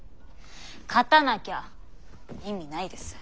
勝たなきゃ意味ないです。